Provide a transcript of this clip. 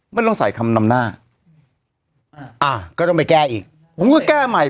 ไม่ต้องใส่คำนำหน้าอ่าอ่าก็ต้องไปแก้อีกผมก็แก้ใหม่